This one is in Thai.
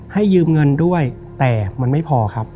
ให้ยืมเงินด้วยแต่มันไม่พอ